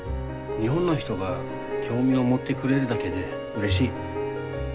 日本の人が興味を持ってくれるだけでうれしい。